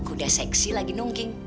udah seksi lagi nungging